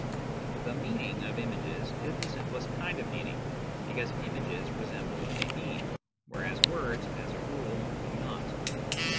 The " meaning " of images is the simplest kind of meaning, because images resemble what they mean, whereas words, as a rule, do not.